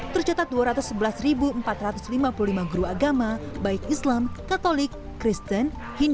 tercatat dua ratus sebelas empat ratus lima puluh lima guru agama baik islam katolik kristen hindu maupun burj khalifa